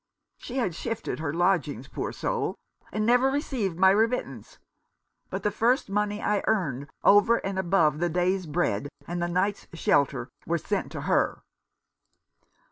She had shifted her lodgings, poor soul, and never received my remittance ; but the first money I earned over and above the day's bread and the night's shelter was sent to her."